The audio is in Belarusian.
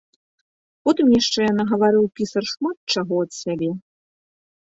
Потым яшчэ нагаварыў пісар шмат чаго ад сябе.